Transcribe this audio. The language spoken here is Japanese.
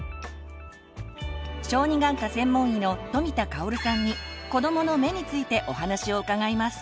小児眼科専門医の富田香さんに「子どもの目」についてお話を伺います。